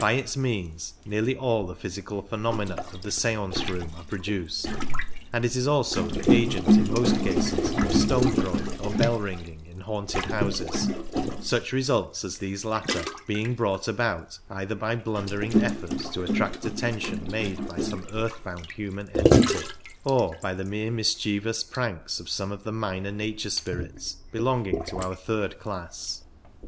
By its means nearly all the physical phenomena of the seance room are produced, and it is also the agent in most cases of stone throwing or bell ringing in haunted houses, such results as these latter being brought about either by blundering efforts to attract attention made by some earth bound human entity, or by the mere mischievous pranks of some of the minor nature spirits belonging to our third class.